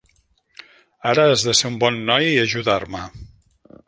Ara has de ser un bon noi i ajudar-me.